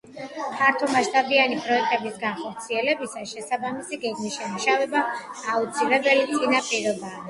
ფართომასშტაბიანი პროექტების განხორციელებისას შესაბამისი გეგმის შემუშავება აუცილებელი წინაპირობაა.